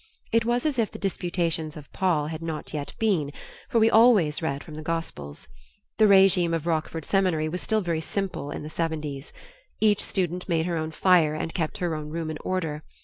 It was as if the disputations of Paul had not yet been, for we always read from the Gospels. The regime of Rockford Seminary was still very simple in the 70's. Each student made her own fire and kept her own room in order.